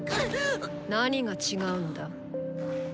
何が違うのだ？